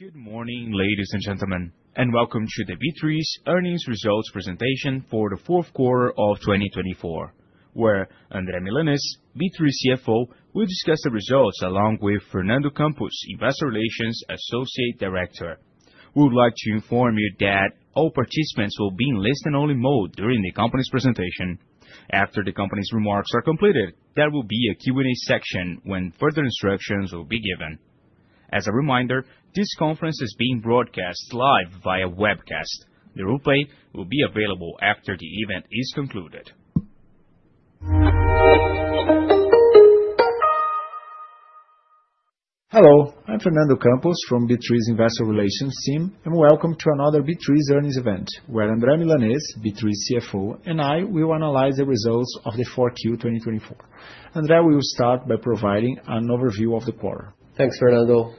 Good morning, ladies and gentlemen, and welcome to the B3's earnings results presentation for the fourth quarter of 2024, where André Milanez, B3's CFO, will discuss the results along with Fernando Campos, Investor Relations Associate Director. We would like to inform you that all participants will be in listen-only mode during the company's presentation. After the company's remarks are completed, there will be a Q&A section when further instructions will be given. As a reminder, this conference is being broadcast live via webcast. The replay will be available after the event is concluded. Hello, I'm Fernando Campos from B3's Investor Relations team, and welcome to another B3's earnings event, where André Milanez, B3's CFO, and I will analyze the results of the fourth quarter of 2024. André, we will start by providing an overview of the quarter. Thanks, Fernando.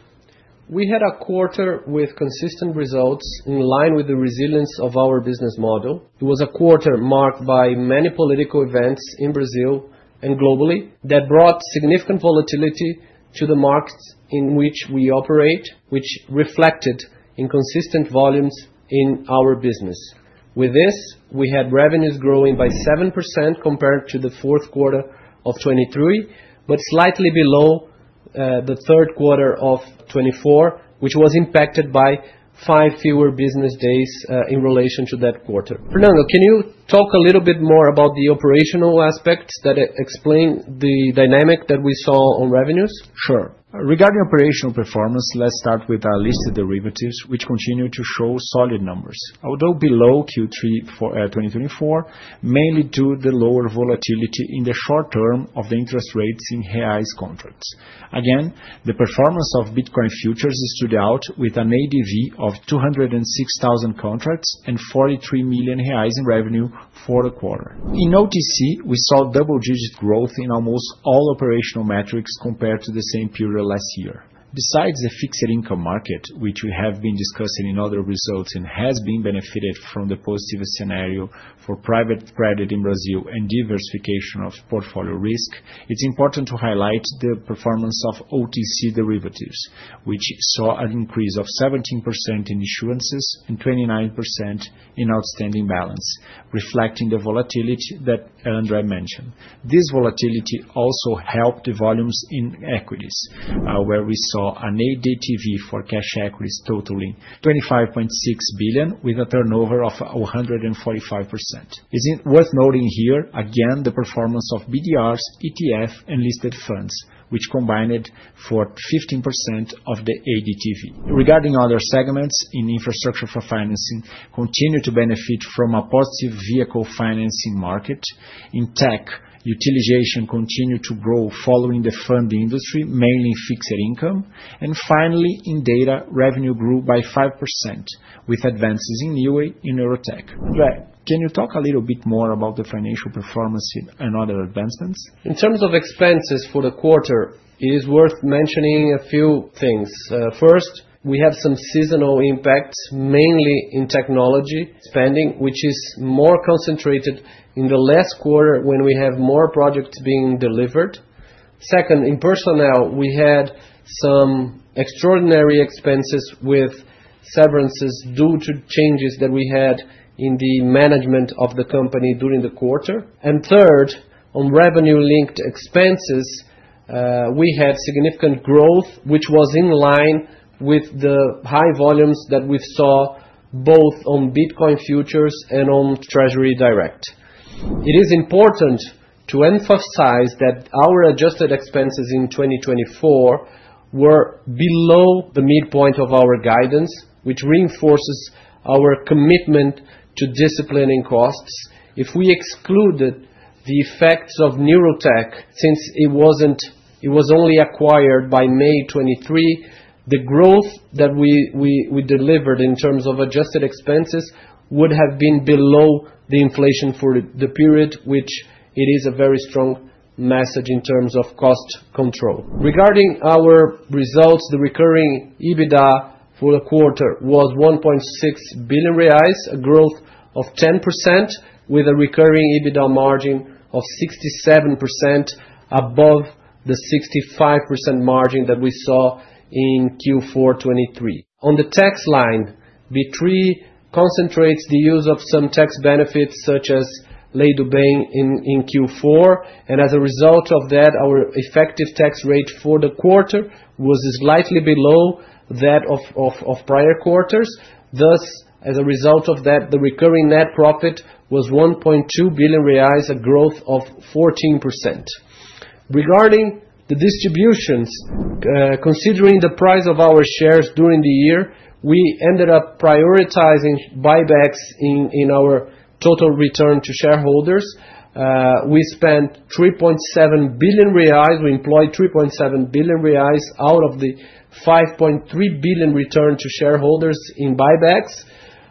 We had a quarter with consistent results in line with the resilience of our business model. It was a quarter marked by many political events in Brazil and globally that brought significant volatility to the markets in which we operate, which reflected in consistent volumes in our business. With this, we had revenues growing by 7% compared to the fourth quarter of 2023, but slightly below the third quarter of 2024, which was impacted by five fewer business days in relation to that quarter. Fernando, can you talk a little bit more about the operational aspects that explain the dynamic that we saw on revenues? Sure. Regarding operational performance, let's start with our listed derivatives, which continue to show solid numbers, although below Q3 for 2024, mainly due to the lower volatility in the short term of the interest rates in reais contracts. Again, the performance of Bitcoin futures is standout, with an ADV of 206,000 contracts and 43 million reais in revenue for the quarter. In OTC, we saw double-digit growth in almost all operational metrics compared to the same period last year. Besides the fixed income market, which we have been discussing in other results and has been benefited from the positive scenario for private credit in Brazil and diversification of portfolio risk, it's important to highlight the performance of OTC derivatives, which saw an increase of 17% in issuances and 29% in outstanding balances, reflecting the volatility that André mentioned. This volatility also helped the volumes in equities, where we saw an ADV for cash equities totaling 25.6 billion, with a turnover of 145%. It's worth noting here, again, the performance of BDRs, ETFs, and listed funds, which combined for 15% of the ADV. Regarding other segments in infrastructure for financing, continue to benefit from a positive vehicle financing market. In tech, utilization continued to grow following the fund industry, mainly in fixed income. And finally, in data, revenue grew by 5%, with advances in Neoway and Neurotech. André, can you talk a little bit more about the financial performance and other advancements? In terms of expenses for the quarter, it is worth mentioning a few things. First, we have some seasonal impacts, mainly in technology spending, which is more concentrated in the last quarter when we have more projects being delivered. Second, in personnel, we had some extraordinary expenses with severances due to changes that we had in the management of the company during the quarter. And third, on revenue-linked expenses, we had significant growth, which was in line with the high volumes that we saw both on Bitcoin futures and on Treasury Direct. It is important to emphasize that our adjusted expenses in 2024 were below the midpoint of our guidance, which reinforces our commitment to disciplining costs. If we excluded the effects of Neurotech, since it was only acquired by May 2023, the growth that we delivered in terms of adjusted expenses would have been below the inflation for the period, which it is a very strong message in terms of cost control. Regarding our results, the recurring EBITDA for the quarter was 1.6 billion reais, a growth of 10%, with a recurring EBITDA margin of 67% above the 65% margin that we saw in Q4 2023. On the tax line, B3 concentrates the use of some tax benefits, such as Lei do Bem in Q4, and as a result of that, our effective tax rate for the quarter was slightly below that of prior quarters. Thus, as a result of that, the recurring net profit was 1.2 billion reais, a growth of 14%. Regarding the distributions, considering the price of our shares during the year, we ended up prioritizing buybacks in our total return to shareholders. We spent 3.7 billion reais. We employed 3.7 billion reais out of the 5.3 billion return to shareholders in buybacks.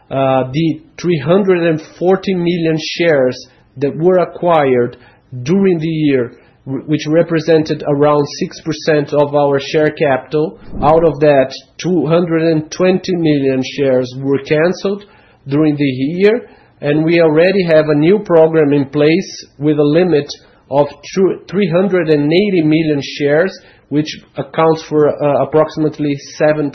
The 340 million shares that were acquired during the year, which represented around 6% of our share capital, out of that, 220 million shares were canceled during the year, and we already have a new program in place with a limit of 380 million shares, which accounts for approximately 7%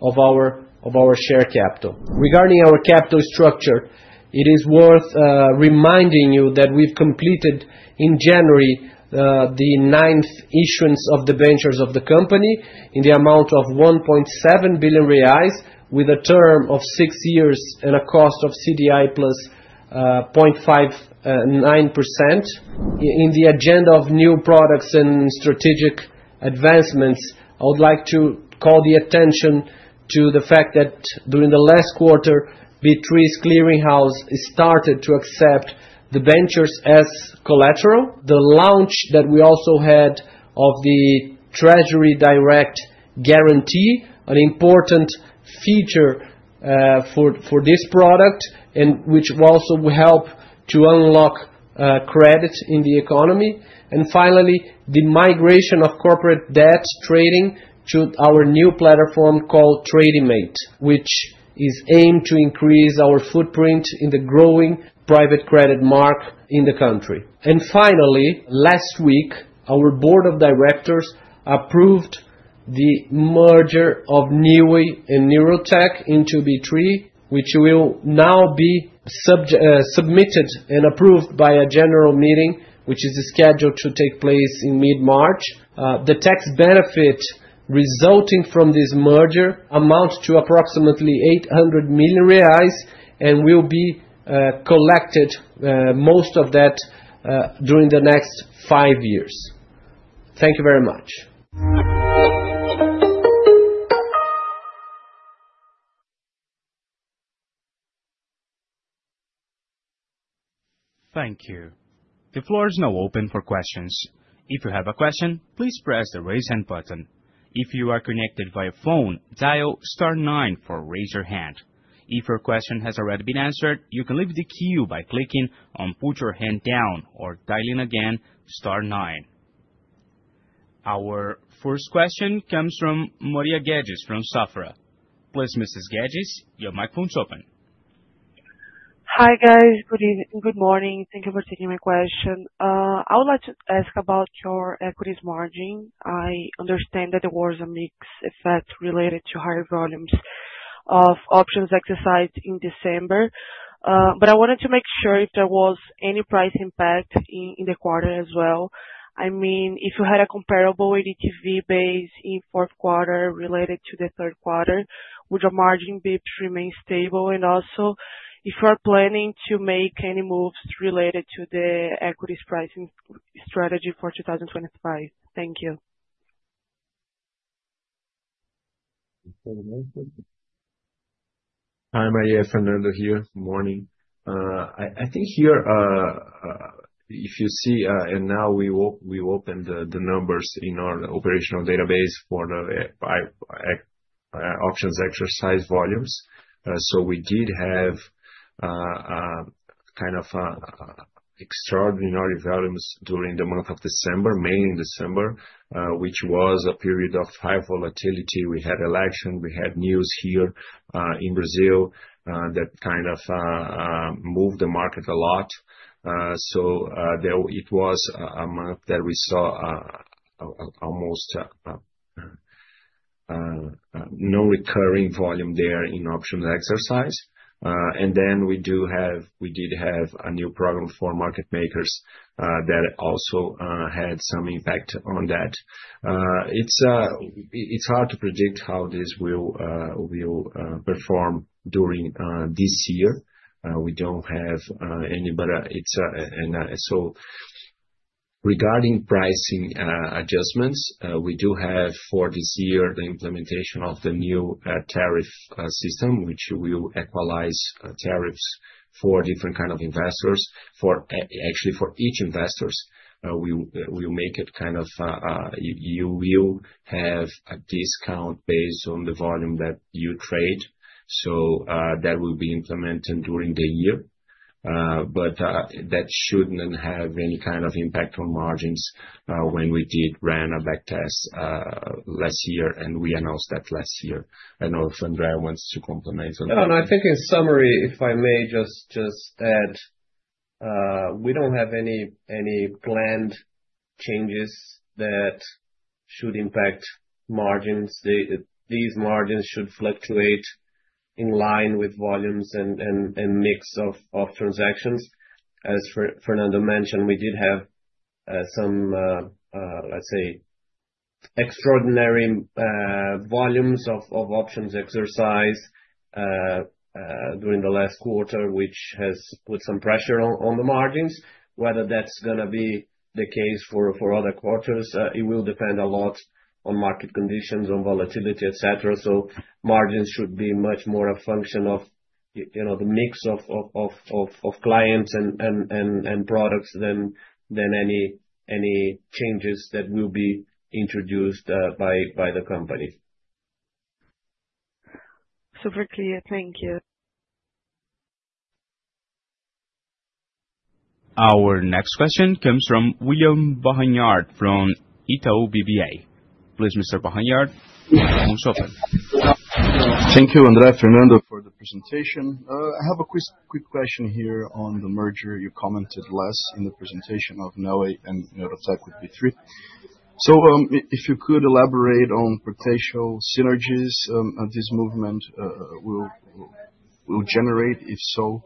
of our share capital. Regarding our capital structure, it is worth reminding you that we've completed in January the ninth issuance of the debentures of the company in the amount of 1.7 billion reais, with a term of six years and a cost of CDI plus 0.59%. In the agenda of new products and strategic advancements, I would like to call the attention to the fact that during the last quarter, B3's Clearing House started to accept debentures as collateral. The launch that we also had of the Treasury Direct guarantee, an important feature for this product, and which also will help to unlock credit in the economy, and finally, the migration of corporate debt trading to our new platform called Trader Mate, which is aimed to increase our footprint in the growing private credit market in the country. Last week, our board of directors approved the merger of Neoway and Neurotech into B3, which will now be submitted and approved by a general meeting, which is scheduled to take place in mid-March. The tax benefit resulting from this merger amounts to approximately 800 million reais and will be collected most of that during the next five years. Thank you very much. Thank you. The floor is now open for questions. If you have a question, please press the raise hand button. If you are connected via phone, dial star nine for raise your hand. If your question has already been answered, you can leave the queue by clicking on put your hand down or dialing again star nine. Our first question comes from Maria Guedes, from Safra. Please, Mrs. Guedes, your microphone is open. Hi guys, good evening, good morning. Thank you for taking my question. I would like to ask about your equities margin. I understand that there was a mixed effect related to higher volumes of options exercised in December, but I wanted to make sure if there was any price impact in the quarter as well. I mean, if you had a comparable ADV base in fourth quarter related to the third quarter, would your margin be remained stable? And also, if you are planning to make any moves related to the equities pricing strategy for 2025? Thank you. Hi, Fernando here. Morning. I think here, if you see, and now we opened the numbers in our operational database for the options exercise volumes, so we did have kind of extraordinary values during the month of December, mainly in December, which was a period of high volatility. We had an election, we had news here in Brazil that kind of moved the market a lot, so it was a month that we saw almost no recurring volume there in options exercise. And then we did have a new program for market makers that also had some impact on that. It's hard to predict how this will perform during this year. We don't have any, but it's a, and so regarding pricing adjustments, we do have for this year the implementation of the new tariff system, which will equalize tariffs for different kinds of investors. Actually, for each investor, we will make it kind of, you will have a discount based on the volume that you trade. So that will be implemented during the year. But that shouldn't have any kind of impact on margins when we did run a backtest last year and we announced that last year. I don't know if André wants to comment. I think in summary, if I may just add, we don't have any planned changes that should impact margins. These margins should fluctuate in line with volumes and mix of transactions. As Fernando mentioned, we did have some, let's say, extraordinary volumes of options exercise during the last quarter, which has put some pressure on the margins. Whether that's going to be the case for other quarters, it will depend a lot on market conditions, on volatility, etc. So margins should be much more a function of the mix of clients and products than any changes that will be introduced by the company. Super clear. Thank you. Our next question comes from William Barranjard from Itaú BBA. Please, Mr. Barranjard, your microphone is open. Thank you, André, Fernando for the presentation. I have a quick question here on the merger you commented less in the presentation of Neoway and Neurotech with B3. So if you could elaborate on potential synergies this movement will generate, if so,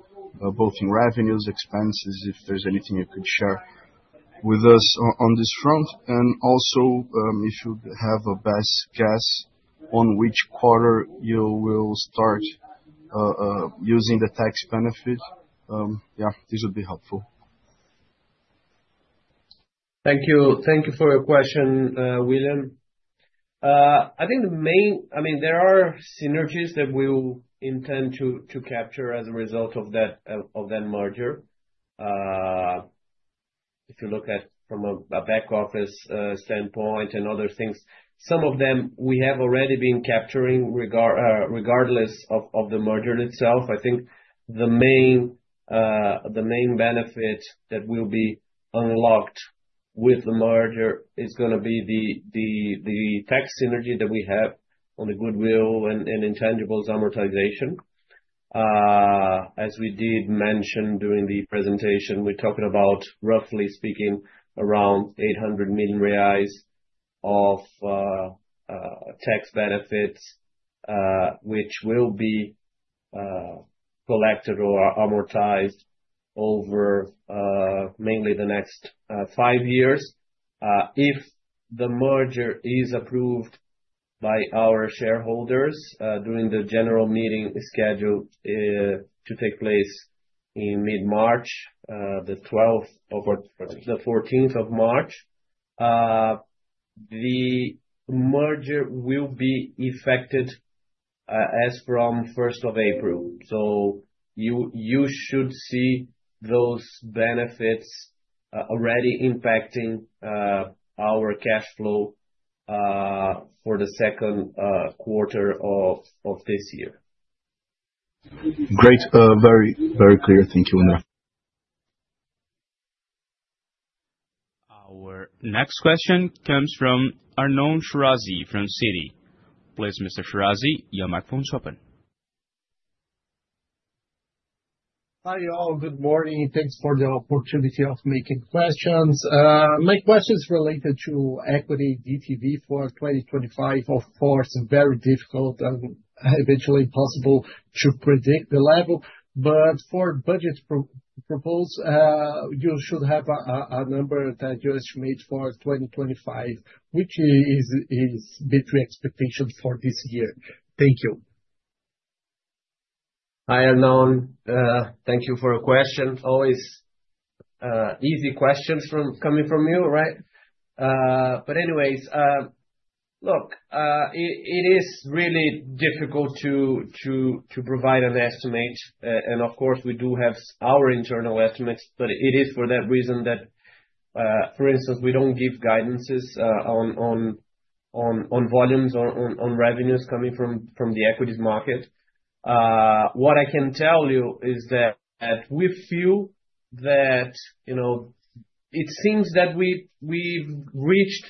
both in revenues, expenses, if there's anything you could share with us on this front. And also, if you have a best guess on which quarter you will start using the tax benefit, yeah, this would be helpful. Thank you. Thank you for your question, William. I think the main, I mean, there are synergies that we will intend to capture as a result of that merger. If you look at from a back office standpoint and other things, some of them we have already been capturing regardless of the merger itself. I think the main benefit that will be unlocked with the merger is going to be the tax synergy that we have on the goodwill and intangibles amortization. As we did mention during the presentation, we're talking about, roughly speaking, around 800 million reais of tax benefits, which will be collected or amortized over mainly the next five years. If the merger is approved by our shareholders during the general meeting scheduled to take place in mid-March, the 12th or the 14th of March, the merger will be effected as from 1st of April. So you should see those benefits already impacting our cash flow for the second quarter of this year. Great. Very, very clear. Thank you, André. Our next question comes from Arnon Shirazi from Citi. Please, Mr. Shirazi, your microphone is open. Hi all. Good morning. Thanks for the opportunity of making questions. My question is related to equity DTV for 2025. Of course, very difficult and eventually impossible to predict the level. But for budget purposes, you should have a number that you estimate for 2025, which is B3 expectation for this year. Thank you. Hi Arnon. Thank you for a question. Always easy questions coming from you, right? But anyways, look, it is really difficult to provide an estimate. And of course, we do have our internal estimates, but it is for that reason that, for instance, we don't give guidances on volumes, on revenues coming from the equities market. What I can tell you is that we feel that it seems that we've reached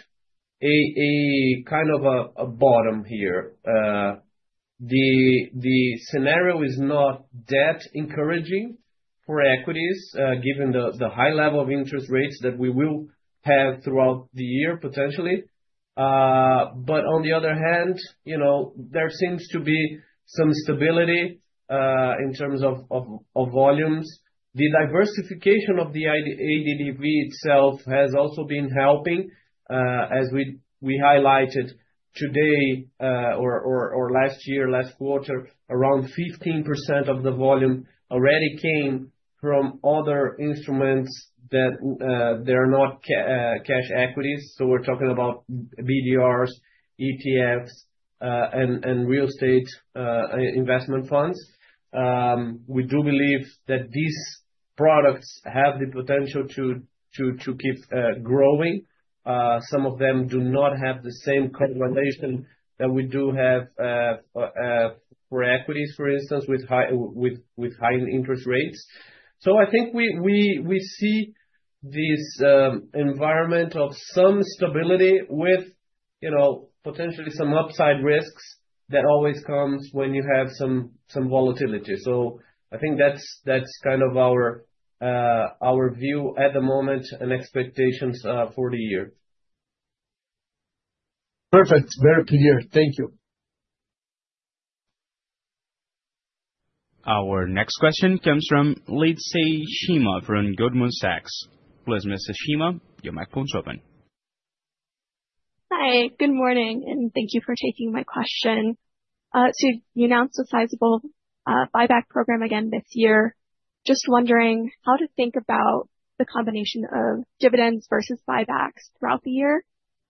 a kind of a bottom here. The scenario is not that encouraging for equities, given the high level of interest rates that we will have throughout the year, potentially. But on the other hand, there seems to be some stability in terms of volumes. The diversification of the ADV itself has also been helping. As we highlighted today or last year, last quarter, around 15% of the volume already came from other instruments that are not cash equities. So we're talking about BDRs, ETFs, and real estate investment funds. We do believe that these products have the potential to keep growing. Some of them do not have the same conversation that we do have for equities, for instance, with high interest rates. So I think we see this environment of some stability with potentially some upside risks that always comes when you have some volatility. So I think that's kind of our view at the moment and expectations for the year. Perfect. Very clear. Thank you. Our next question comes from Leitzke Shima from Goldman Sachs. Please, Mr. Shima, your microphone is open. Hi, good morning, and thank you for taking my question. So you announced a sizable buyback program again this year. Just wondering how to think about the combination of dividends versus buybacks throughout the year,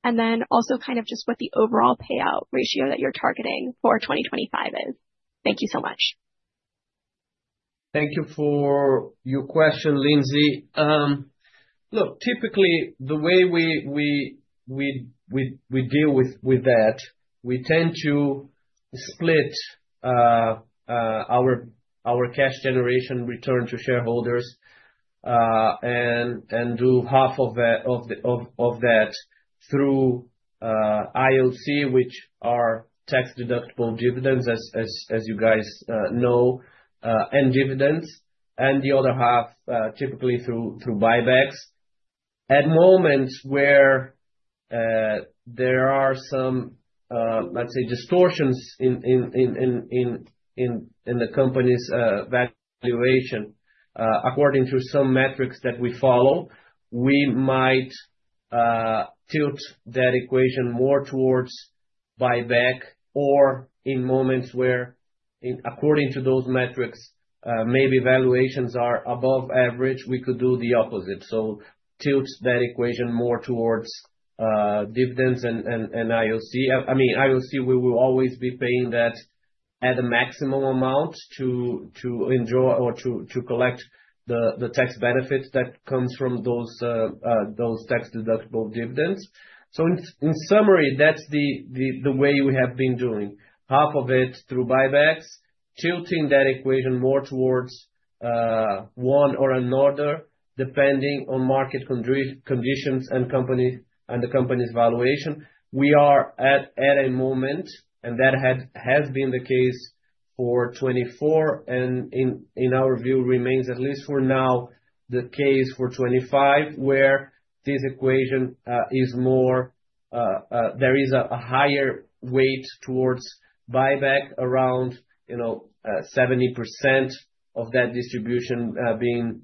and then also kind of just what the overall payout ratio that you're targeting for 2025 is. Thank you so much. Thank you for your question, Lindsay. Look, typically, the way we deal with that, we tend to split our cash generation return to shareholders and do half of that through IOC, which are tax-deductible dividends, as you guys know, and dividends, and the other half typically through buybacks. At moments where there are some, let's say, distortions in the company's valuation, according to some metrics that we follow, we might tilt that equation more towards buyback, or in moments where, according to those metrics, maybe valuations are above average, we could do the opposite, so tilt that equation more towards dividends and IOC. I mean, IOC, we will always be paying that at a maximum amount to enjoy or to collect the tax benefit that comes from those tax-deductible dividends. So in summary, that's the way we have been doing. Half of it through buybacks, tilting that equation more towards one or another, depending on market conditions and the company's valuation. We are at a moment, and that has been the case for 2024, and in our view, remains at least for now, the case for 2025, where this equation is more, there is a higher weight towards buyback, around 70% of that distribution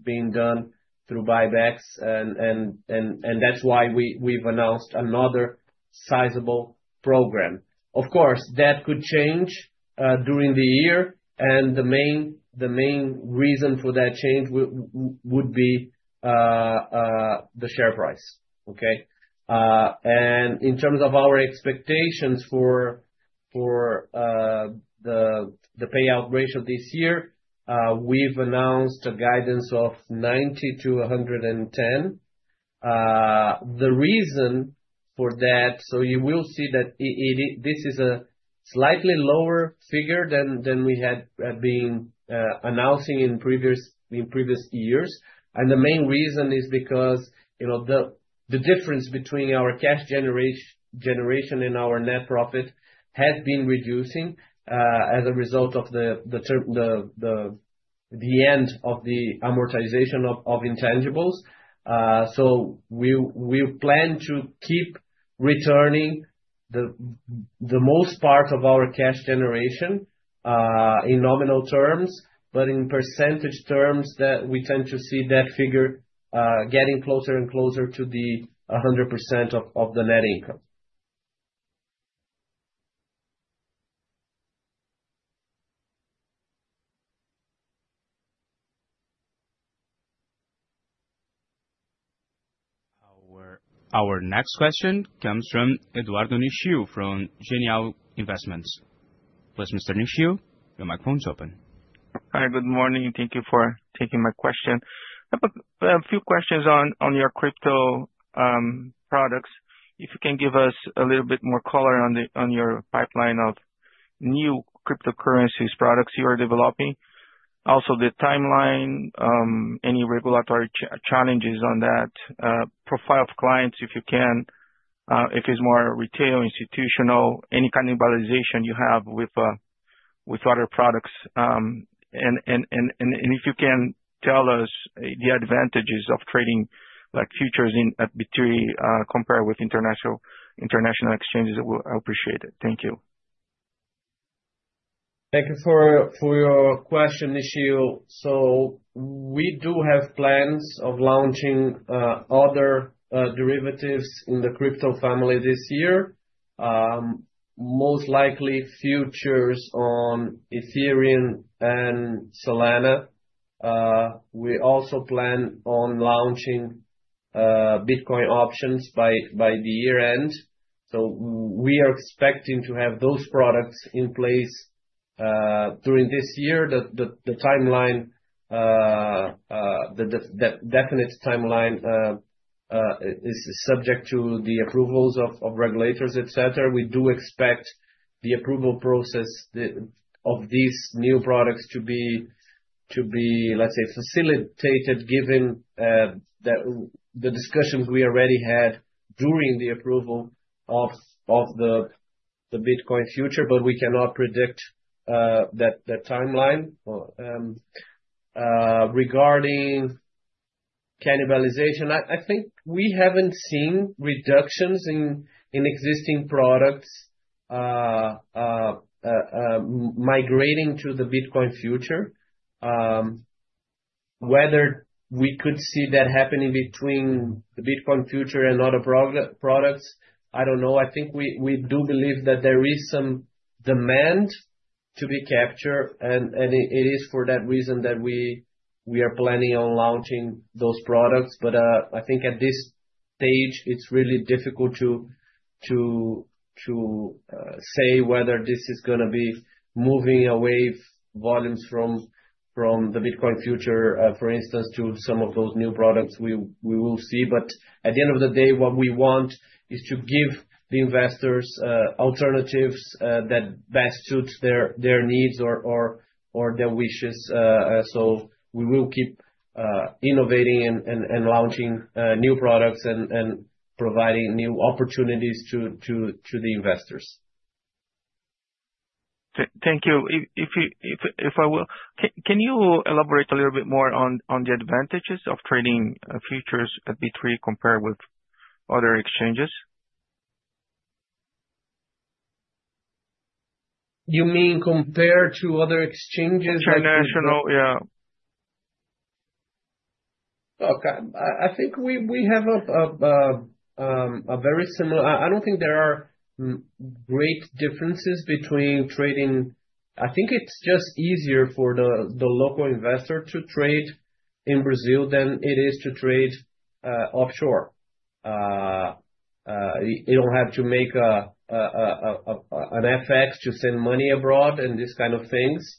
being done through buybacks. And that's why we've announced another sizable program. Of course, that could change during the year. And the main reason for that change would be the share price. Okay? And in terms of our expectations for the payout ratio this year, we've announced a guidance of 90%-110%. The reason for that, so you will see that this is a slightly lower figure than we had been announcing in previous years. And the main reason is because the difference between our cash generation and our net profit has been reducing as a result of the end of the amortization of intangibles. So we plan to keep returning the most part of our cash generation in nominal terms, but in percentage terms, we tend to see that figure getting closer and closer to the 100% of the net income. Our next question comes from Eduardo Nishio from Genial Investimentos. Please, Mr. Nishio, your microphone is open. Hi, good morning. Thank you for taking my question. I have a few questions on your crypto products. If you can give us a little bit more color on your pipeline of new cryptocurrencies products you are developing. Also, the timeline, any regulatory challenges on that, profile of clients, if you can, if it's more retail, institutional, any kind of valuation you have with other products, and if you can tell us the advantages of trading futures in B3 compared with international exchanges, I appreciate it. Thank you. Thank you for your question, Nishio. So we do have plans of launching other derivatives in the crypto family this year, most likely futures on Ethereum and Solana. We also plan on launching Bitcoin options by the year-end. So we are expecting to have those products in place during this year. The definite timeline is subject to the approvals of regulators, etc. We do expect the approval process of these new products to be, let's say, facilitated given the discussions we already had during the approval of the Bitcoin future, but we cannot predict that timeline. Regarding cannibalization, I think we haven't seen reductions in existing products migrating to the Bitcoin future. Whether we could see that happening between the Bitcoin future and other products, I don't know. I think we do believe that there is some demand to be captured, and it is for that reason that we are planning on launching those products. But I think at this stage, it's really difficult to say whether this is going to be moving away volumes from the Bitcoin future, for instance, to some of those new products we will see. But at the end of the day, what we want is to give the investors alternatives that best suit their needs or their wishes. So we will keep innovating and launching new products and providing new opportunities to the investors. Thank you. If I may, can you elaborate a little bit more on the advantages of trading futures at B3 compared with other exchanges? You mean compared to other exchanges? International, yeah. Okay. I think we have a very similar, I don't think there are great differences between trading. I think it's just easier for the local investor to trade in Brazil than it is to trade offshore. You don't have to make an FX to send money abroad and these kind of things.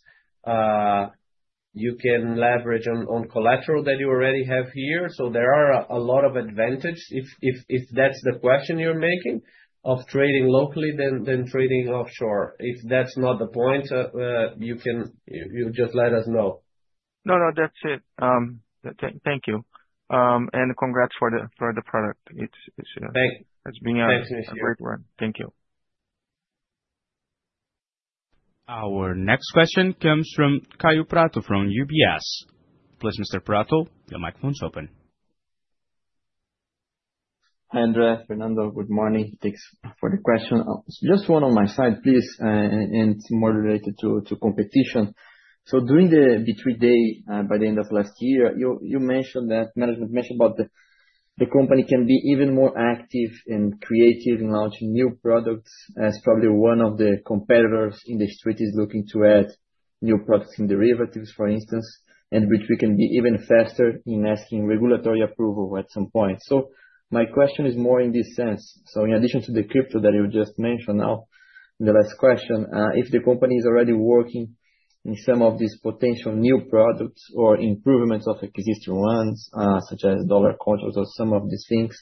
You can leverage on collateral that you already have here. So there are a lot of advantages, if that's the question you're making, of trading locally than trading offshore. If that's not the point, you just let us know. No, no, that's it. Thank you. And congrats for the product. It's been a great one. Thank you. Our next question comes from Kaio Prato from UBS. Please, Mr. Prato, your microphone is open. Hi André, Fernando, good morning. Thanks for the question. Just one on my side, please, and it's more related to competition. So during the B3 day by the end of last year, you mentioned that management mentioned about the company can be even more active and creative in launching new products. It's probably one of the competitors in the street is looking to add new products in derivatives, for instance, and B3 can be even faster in asking regulatory approval at some point. So my question is more in this sense. So in addition to the crypto that you just mentioned now, the last question, if the company is already working in some of these potential new products or improvements of existing ones, such as dollar contracts or some of these things,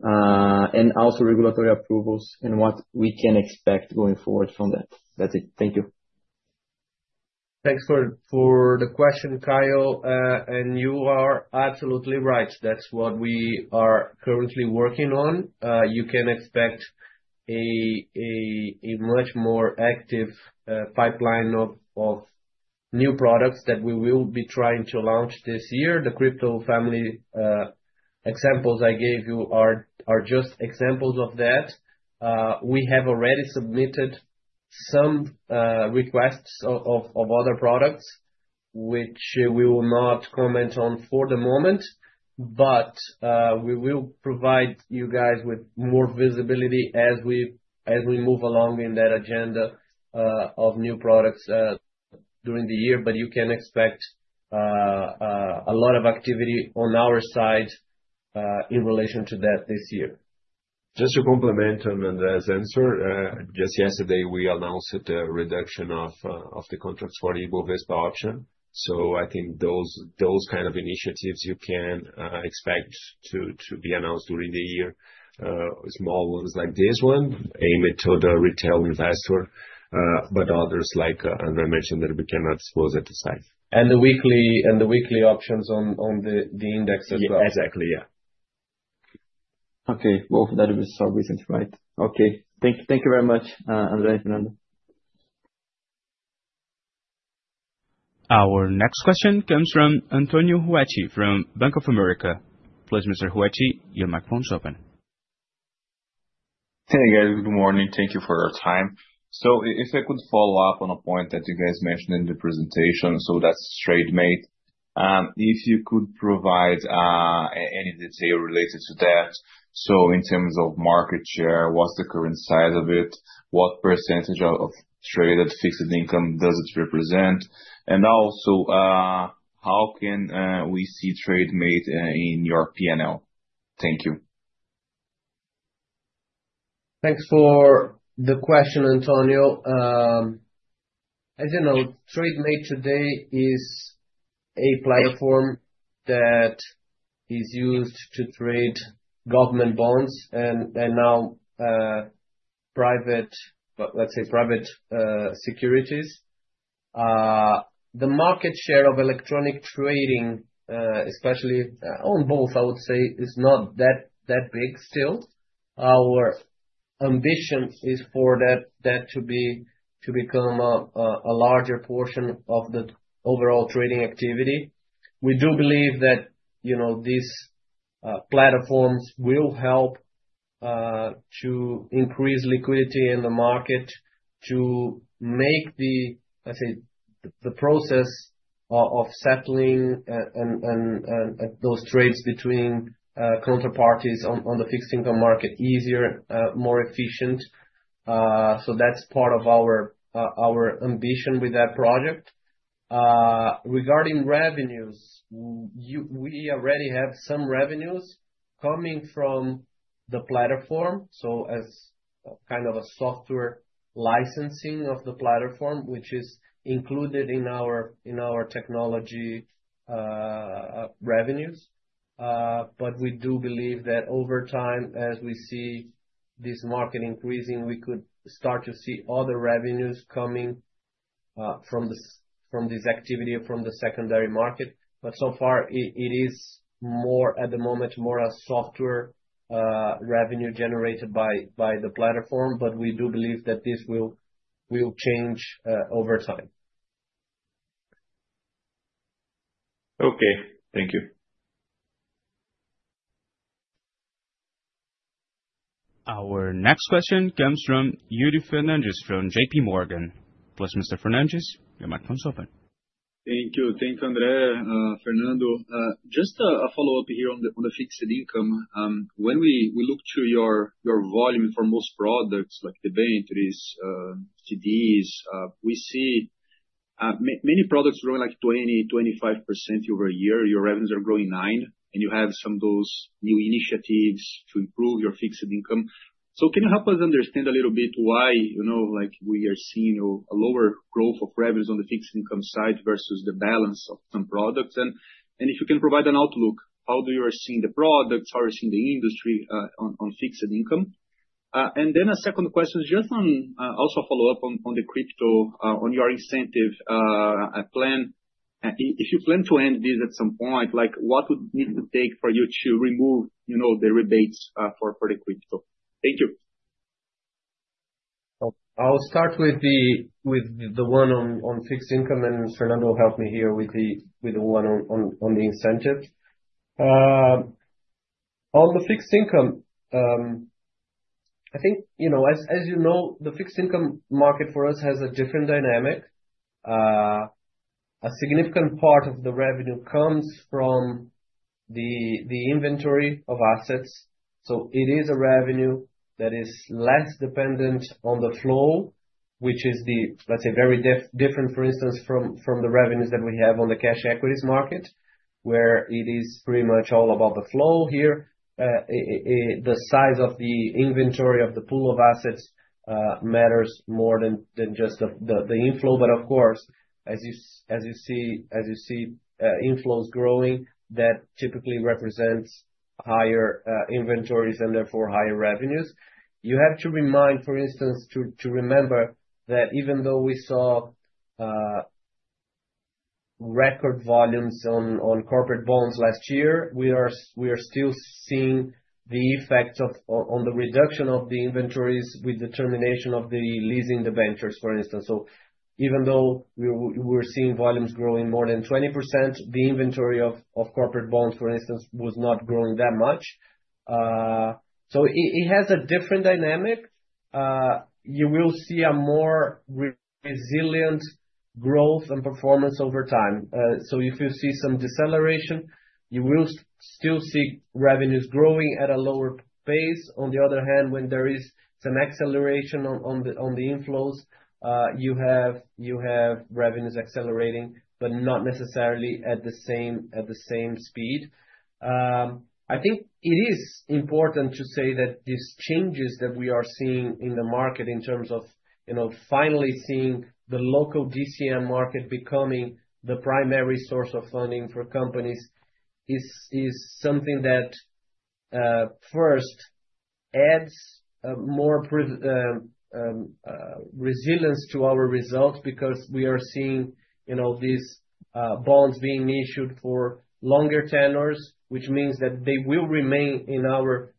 and also regulatory approvals and what we can expect going forward from that. That's it. Thank you. Thanks for the question, Kaio. You are absolutely right. That's what we are currently working on. You can expect a much more active pipeline of new products that we will be trying to launch this year. The crypto family examples I gave you are just examples of that. We have already submitted some requests of other products, which we will not comment on for the moment, but we will provide you guys with more visibility as we move along in that agenda of new products during the year. You can expect a lot of activity on our side in relation to that this year. Just to complement Fernando's answer, just yesterday, we announced the reduction of the contracts for Ibovespa option. So, I think those kind of initiatives you can expect to be announced during the year. Small ones like this one, aimed at the retail investor, but others, like André mentioned, that we cannot disclose at this time. And the weekly options on the index as well. Yeah, exactly, yeah. Okay. Well, that will be so busy, right? Okay. Thank you very much, André and Fernando. Our next question comes from Antonio Ruette from Bank of America. Please, Mr. Ruette, your microphone is open. Hey, guys. Good morning. Thank you for your time. So if I could follow up on a point that you guys mentioned in the presentation, so that's Trademate, if you could provide any detail related to that. So in terms of market share, what's the current size of it? What percentage of traded fixed income does it represent? And also, how can we see Trademate in your P&L? Thank you. Thanks for the question, Antonio. As you know, Trademate today is a platform that is used to trade government bonds and now, let's say, private securities. The market share of electronic trading, especially on bonds, I would say, is not that big still. Our ambition is for that to become a larger portion of the overall trading activity. We do believe that these platforms will help to increase liquidity in the market, to make the, let's say, the process of settling those trades between counterparties on the fixed income market easier, more efficient. So that's part of our ambition with that project. Regarding revenues, we already have some revenues coming from the platform, so as kind of a software licensing of the platform, which is included in our technology revenues. But we do believe that over time, as we see this market increasing, we could start to see other revenues coming from this activity from the secondary market. But so far, it is more at the moment, more a software revenue generated by the platform, but we do believe that this will change over time. Okay. Thank you. Our next question comes from Yuri Fernandes from JPMorgan. Please, Mr. Fernandes, your microphone is open. Thank you. Thank you, André, Fernando. Just a follow-up here on the fixed income. When we look to your volume for most products, like the B3s, CDs, we see many products growing like 20%-25% over a year. Your revenues are growing 9%, and you have some of those new initiatives to improve your fixed income. So can you help us understand a little bit why we are seeing a lower growth of revenues on the fixed income side versus the balance of some products? And if you can provide an outlook, how do you see the products, how do you see the industry on fixed income? And then a second question is just also a follow-up on the crypto, on your incentive plan. If you plan to end this at some point, what would it take for you to remove the rebates for the crypto? Thank you. I'll start with the one on fixed income, and Fernando will help me here with the one on the incentives. On the fixed income, I think, as you know, the fixed income market for us has a different dynamic. A significant part of the revenue comes from the inventory of assets, so it is a revenue that is less dependent on the flow, which is, let's say, very different, for instance, from the revenues that we have on the cash equities market, where it is pretty much all about the flow here. The size of the inventory of the pool of assets matters more than just the inflow, but of course, as you see inflows growing, that typically represents higher inventories and therefore higher revenues. You have to remind, for instance, to remember that even though we saw record volumes on corporate bonds last year, we are still seeing the effects on the reduction of the inventories with the termination of the leasing debentures, for instance. So even though we were seeing volumes growing more than 20%, the inventory of corporate bonds, for instance, was not growing that much. So it has a different dynamic. You will see a more resilient growth and performance over time. So if you see some deceleration, you will still see revenues growing at a lower pace. On the other hand, when there is some acceleration on the inflows, you have revenues accelerating, but not necessarily at the same speed. I think it is important to say that these changes that we are seeing in the market in terms of finally seeing the local DCM market becoming the primary source of funding for companies is something that first adds more resilience to our results because we are seeing these bonds being issued for longer tenors, which means that they will remain in our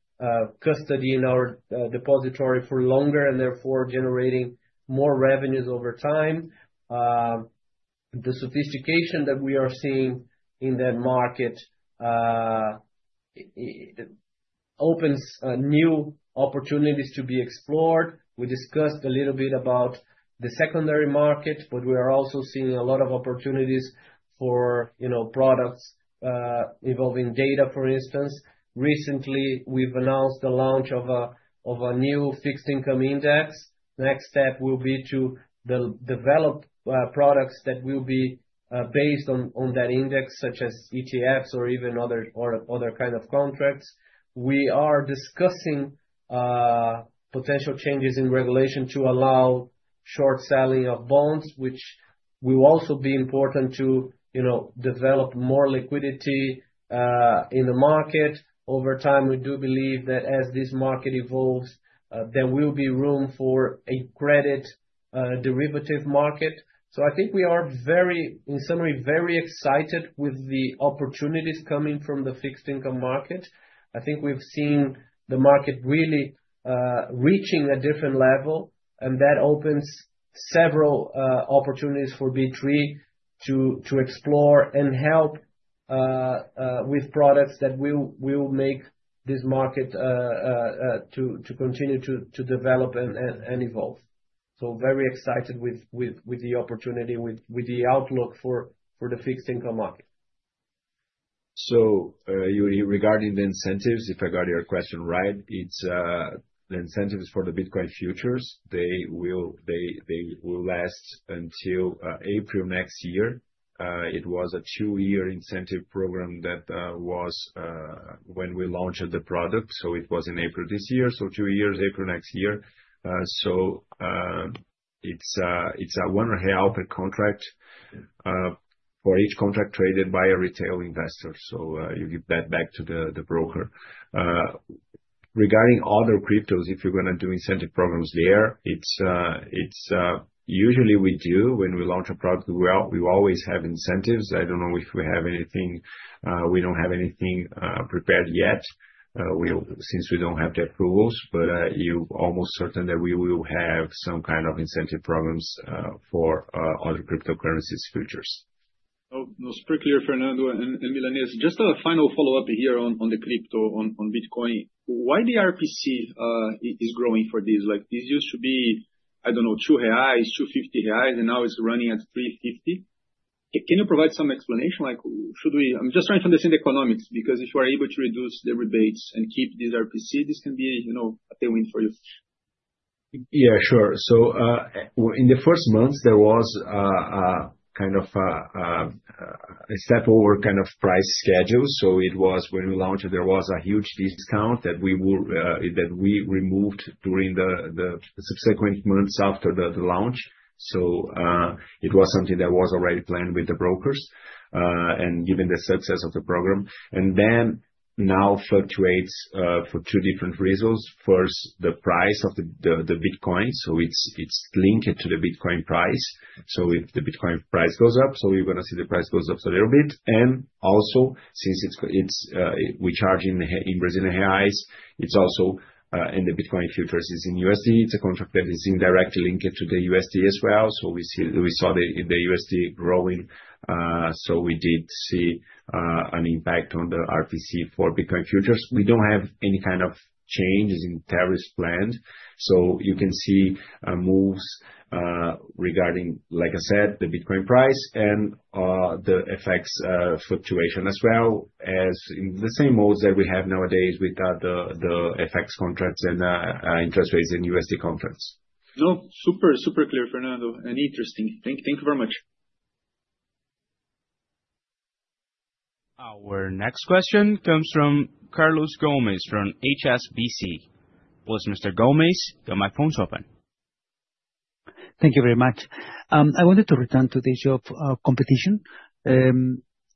custody, in our depository for longer, and therefore generating more revenues over time. The sophistication that we are seeing in that market opens new opportunities to be explored. We discussed a little bit about the secondary market, but we are also seeing a lot of opportunities for products involving data, for instance. Recently, we've announced the launch of a new fixed income index. Next step will be to develop products that will be based on that index, such as ETFs or even other kinds of contracts. We are discussing potential changes in regulation to allow short selling of bonds, which will also be important to develop more liquidity in the market. Over time, we do believe that as this market evolves, there will be room for a credit derivative market. So I think we are very, in summary, very excited with the opportunities coming from the fixed income market. I think we've seen the market really reaching a different level, and that opens several opportunities for B3 to explore and help with products that will make this market to continue to develop and evolve. So very excited with the opportunity, with the outlook for the fixed income market. Yuri, regarding the incentives, if I got your question right, the incentives for the Bitcoin futures, they will last until April next year. It was a two-year incentive program that was when we launched the product. It was in April this year, so two years, April next year. It's 1.5 per contract for each contract traded by a retail investor. You give that back to the broker. Regarding other cryptos, if you're going to do incentive programs there, usually we do. When we launch a product, we always have incentives. I don't know if we have anything. We don't have anything prepared yet since we don't have the approvals, but you're almost certain that we will have some kind of incentive programs for other cryptocurrencies futures. Most particularly, Fernando and Milanez, just a final follow-up here on the crypto, on Bitcoin. Why the RPC is growing for this? This used to be, I don't know, 2 reais, 2.50 reais, and now it's running at 3.50. Can you provide some explanation? I'm just trying to understand the economics because if you are able to reduce the rebates and keep this RPC, this can be a tailwind for you. Yeah, sure. So in the first months, there was kind of a step over kind of price schedule. So it was when we launched, there was a huge discount that we removed during the subsequent months after the launch. So it was something that was already planned with the brokers and given the success of the program. And then now fluctuates for two different reasons. First, the price of the Bitcoin. So it's linked to the Bitcoin price. So if the Bitcoin price goes up, so we're going to see the price goes up a little bit. And also, since we charge in Brazilian Reais, and the Bitcoin futures is in USD, it's a contract that is indirectly linked to the USD as well. So we saw the USD growing. So we did see an impact on the RPC for Bitcoin futures. We don't have any kind of changes in tariffs planned. So you can see moves regarding, like I said, the Bitcoin price and the FX fluctuation as well, as in the same modes that we have nowadays with the FX contracts and interest rates in USD contracts. No, super, super clear, Fernando. And interesting. Thank you very much. Our next question comes from Carlos Gomez from HSBC. Please, Mr. Gomez, your microphone is open. Thank you very much. I wanted to return to the job competition.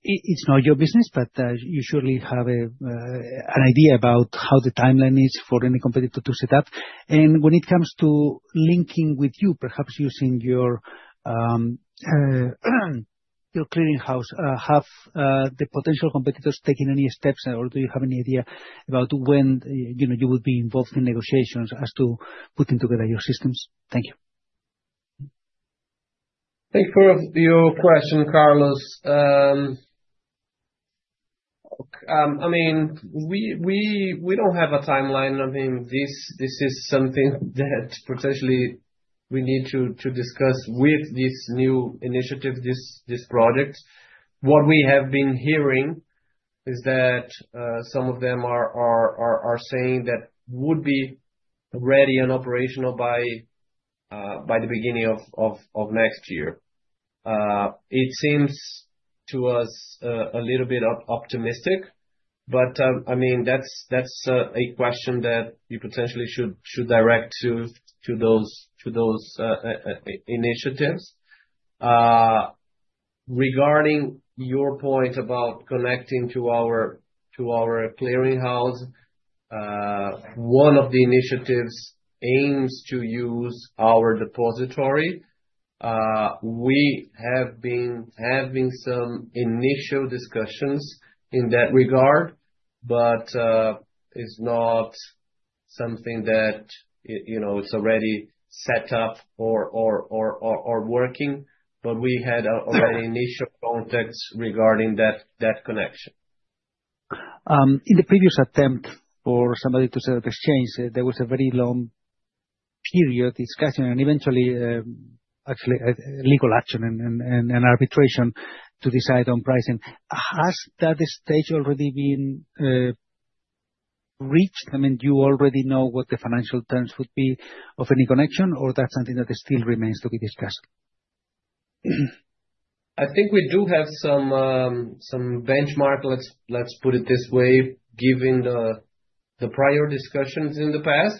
It's not your business, but you surely have an idea about how the timeline is for any competitor to set up. And when it comes to linking with you, perhaps using your Clearing House, have the potential competitors taken any steps, or do you have any idea about when you would be involved in negotiations as to putting together your systems? Thank you. Thank you for your question, Carlos. I mean, we don't have a timeline. I mean, this is something that potentially we need to discuss with this new initiative, this project. What we have been hearing is that some of them are saying that would be ready and operational by the beginning of next year. It seems to us a little bit optimistic, but I mean, that's a question that you potentially should direct to those initiatives. Regarding your point about connecting to our clearing house, one of the initiatives aims to use our depository. We have been having some initial discussions in that regard, but it's not something that it's already set up or working. But we had already initial contacts regarding that connection. In the previous attempt for somebody to set up exchange, there was a very long period of discussion and eventually, actually, legal action and arbitration to decide on pricing. Has that stage already been reached? I mean, do you already know what the financial terms would be of any connection, or that's something that still remains to be discussed? I think we do have some benchmark. Let's put it this way, given the prior discussions in the past,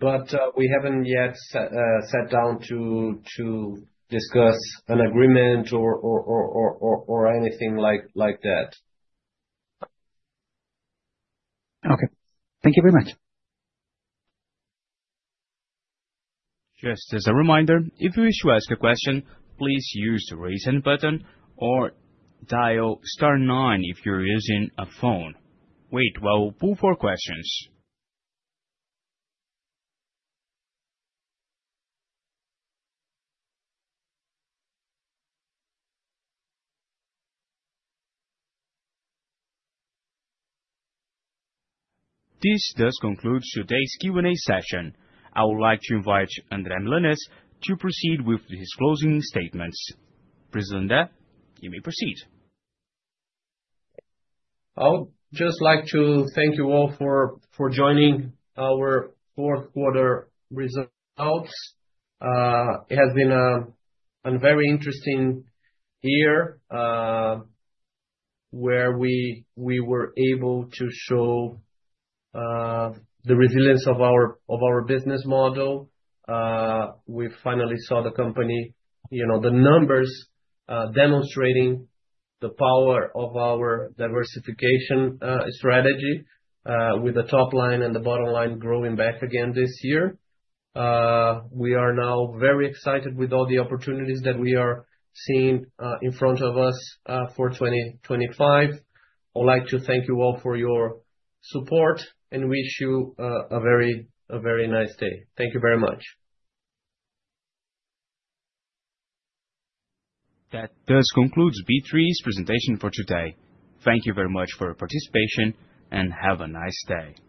but we haven't yet sat down to discuss an agreement or anything like that. Okay. Thank you very much. Just as a reminder, if you wish to ask a question, please use the raise hand button or dial star nine if you're using a phone. Wait while we pull for questions. This does conclude today's Q&A session. I would like to invite André Milanez to proceed with his closing statements. Please, André, you may proceed. I would just like to thank you all for joining our fourth quarter results. It has been a very interesting year where we were able to show the resilience of our business model. We finally saw the company, the numbers demonstrating the power of our diversification strategy with the top line and the bottom line growing back again this year. We are now very excited with all the opportunities that we are seeing in front of us for 2025. I would like to thank you all for your support and wish you a very nice day. Thank you very much. That does conclude B3's presentation for today. Thank you very much for your participation and have a nice day.